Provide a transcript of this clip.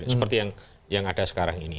seperti yang ada sekarang ini